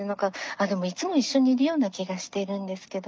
あでもいつも一緒にいるような気がしているんですけど。